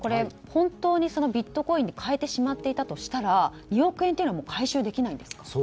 本当にビットコインに替えていたとしたら２億円は回収できないんですか？